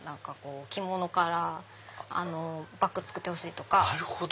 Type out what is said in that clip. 着物からバッグ作ってほしい！とか。